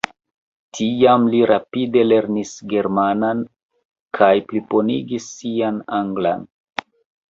Tiam li rapide lernis germanan kaj plibonigis sian anglan.